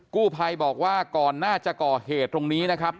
กู้ภัยบอกว่าก่อนหน้าจะก่อเหตุตรงนี้นะครับ